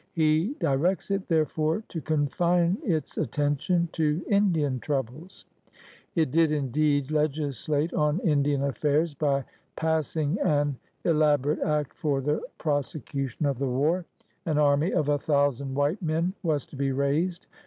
He directs it therefore to confine its attention to Li dian troubles. It did, indeed, l^islate on Indian affairs by passing an elaborate act for the prose cution of the war. An army of a thousand white men was to be raised.